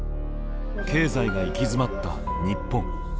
経済が行き詰まった日本。